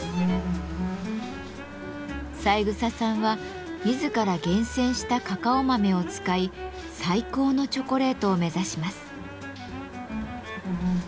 三枝さんは自ら厳選したカカオ豆を使い最高のチョコレートを目指します。